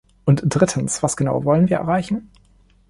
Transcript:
Und drittens, was genau wollen wir erreichen?